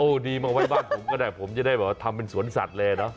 ดีมาไว้บ้านผมก็ได้ผมจะได้แบบว่าทำเป็นสวนสัตว์เลยเนอะ